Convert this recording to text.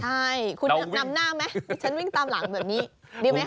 ใช่คุณนำหน้าไหมดิฉันวิ่งตามหลังแบบนี้ดีไหมค